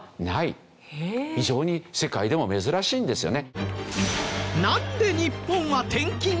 非常に世界でも珍しいんですよね。